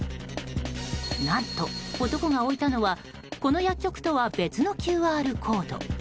何と、男が置いたのはこの薬局とは別のＱＲコード。